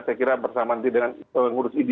saya kira bersama nanti dengan pengurus idi